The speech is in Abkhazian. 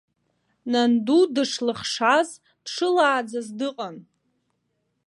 Нанду дышлыхшаз, дшылааӡаз дыҟан.